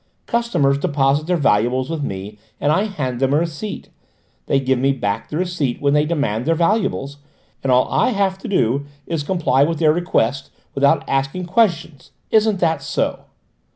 Customers deposit their valuables with me and I hand them a receipt: they give me back the receipt when they demand their valuables, and all I have to do is comply with their request, without asking questions. Isn't that so?"